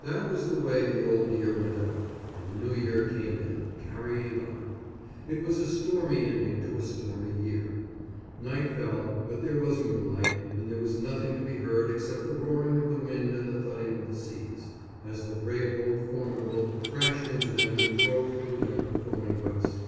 That was the way the Old Year went out and the New Year came in carrying on. It was a stormy ending to a stormy year. Night fell, but there was moonlight, and there was nothing to be heard except the roaring of the wind and the thudding of the seas as the brave old Formidable crashed into them and drove through them, going west.